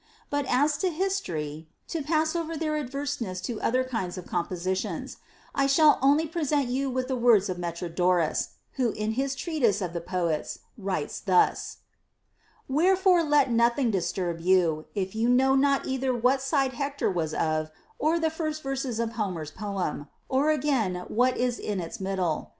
But as to history — to pass over their aversedness to other kinds of compositions — I shall only present you with the words of Metrodorus, who in his treatise of the Poets writes thus : Wherefore let it never disturb you, if you know not either what side Hector was of, or the first verses in Homer's Poem, or again what is in its middle.